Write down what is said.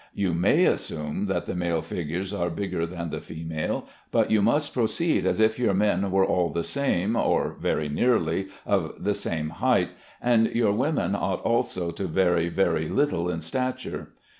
You may assume that the male figures are bigger than the female, but you must proceed as if your men were all of the same (or very nearly) of the same height, and your women ought also to vary very little in stature.